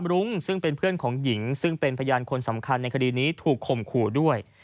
รุ้งซึ่งเป็นเพื่อนของหญิงซึ่งเป็นพยานคนสำคัญในคดีนี้ถูกข่มขู่ด้วย